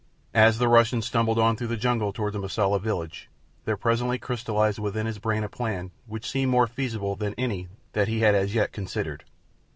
As the Russian stumbled on through the jungle toward the Mosula village there presently crystallized within his brain a plan which seemed more feasible than any that he had as yet considered.